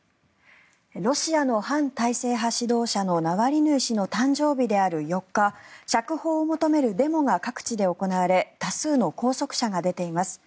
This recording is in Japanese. ロシアの反体制派指導者のナワリヌイ氏の誕生日である４日釈放を求めるデモが各地で行われ多数の拘束者が出ています。